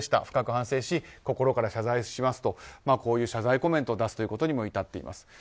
深く反省し、心から謝罪しますとこういう謝罪コメントを出すということにも至っています。